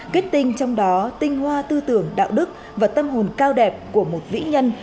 kết tinh trong đó tinh hoa tư tưởng đạo đức và tâm hồn cao đẹp của một vĩ nhân